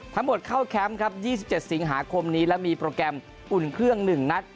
ทั้งหมดเข้าแคมป์ครับ๒๗สิงหาคมนี้และมีโปรแกรมอุ่นเครื่อง๑นัด